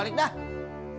mirip ya padahal